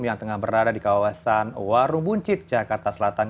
yang tengah berada di kawasan warung buncit jakarta selatan